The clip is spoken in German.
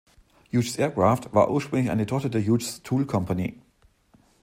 Hughes Aircraft war ursprünglich eine Tochter der Hughes Tool Company.